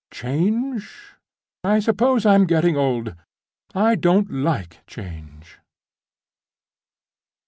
Change? I suppose I'm getting old. I don't like change."